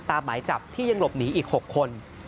หมายจับที่ยังหลบหนีอีก๖คน